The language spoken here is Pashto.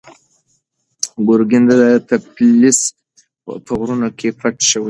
ګورګین د تفلیس په غرونو کې پټ شوی و.